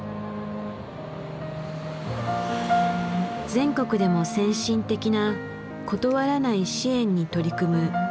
全国でも先進的な「断らない支援」に取り組む座間市役所。